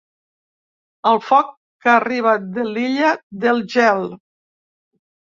El foc que arriba de l’illa del gel!